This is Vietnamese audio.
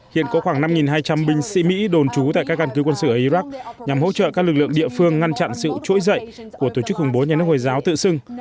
hiện có khoảng năm hai trăm linh binh sĩ mỹ đồn trú tại các căn cứ quân sự ở iraq nhằm hỗ trợ các lực lượng địa phương ngăn chặn sự trỗi dậy của tổ chức khủng bố nhà nước hồi giáo tự xưng